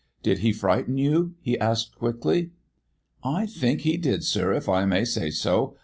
"Did he frighten you?" he asked quickly. "I think he did, sir, if I may say so.